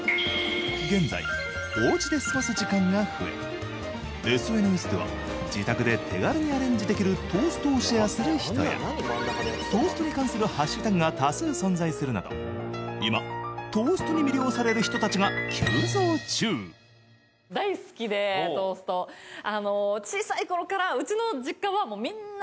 現在おうちで過ごす時間が増えＳＮＳでは自宅で手軽にアレンジできるトーストをシェアする人やトーストに関するハッシュタグが多数存在するなど今トーストに魅了される人たちが急増中大体いやそうですよね